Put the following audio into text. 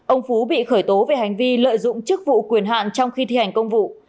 ông phú bị khởi tố về hành vi lợi dụng chức vụ quyền hạn trong khi thi hành công vụ